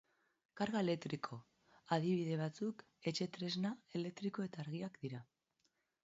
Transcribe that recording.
Karga elektriko adibide batzuk etxetresna elektriko eta argiak dira.